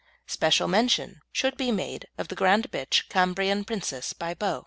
Special mention should be made of that grand bitch Cambrian Princess, by Beau.